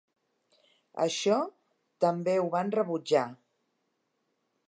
Això també ho van rebutjar.